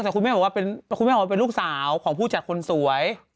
คุณแม่บอกว่าเป็นลูกสาวของผู้จัดคนสวย